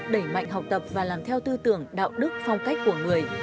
đẩy mạnh học tập và làm theo tư tưởng đạo đức phong cách của người